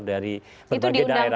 dari berbagai daerah